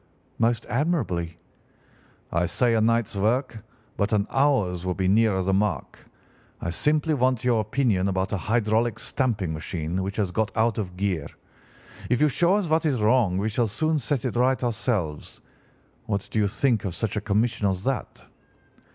"'Most admirably.' "'I say a night's work, but an hour's would be nearer the mark. I simply want your opinion about a hydraulic stamping machine which has got out of gear. If you show us what is wrong we shall soon set it right ourselves. What do you think of such a commission as that?